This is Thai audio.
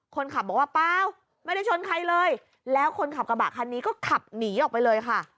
คนขับบอกว่าเปล่าไม่ได้ชนใครเลยแล้วคนขับกระบะคันนี้ก็ขับหนีออกไปเลยค่ะ